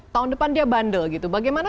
tahun depan dia bandel gitu bagaimana